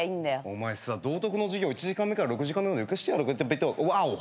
お前さ道徳の授業１時間目から６時間目までうかしてやろうかうわぉ！